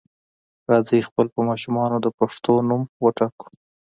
راځئ خپل په ماشومانو د پښتو نوم وټاکو.